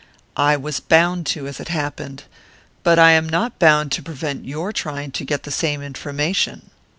"I was bound to, as it happened. But I am not bound to prevent your trying to get the same information."